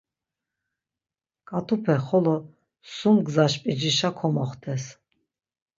Ǩat̆upe xolo sum gzaş p̌icişa komoxtes.